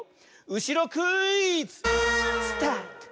うしろクイズ！スタート。